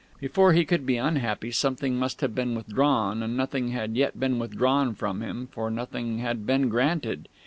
Before he could be unhappy something must have been withdrawn, and nothing had yet been withdrawn from him, for nothing had been granted.